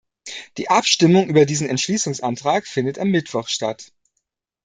Die Abstimmung über diesen Entschließungsantrag findet am Mittwoch statt.